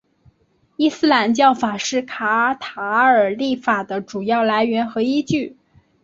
伊斯兰教法是卡塔尔立法的主要来源和依据。